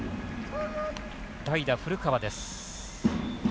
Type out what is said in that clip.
代打、古川です。